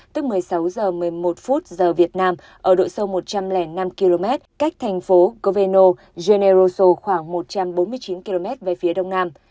tức một mươi sáu h một mươi một giờ việt nam ở độ sâu một trăm linh năm km cách thành phố coveno geneoso khoảng một trăm bốn mươi chín km về phía đông nam